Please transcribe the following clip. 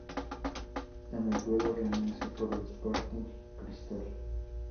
En el Duelo Rimense con el Sporting Cristal.